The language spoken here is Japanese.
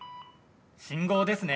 信号ですね。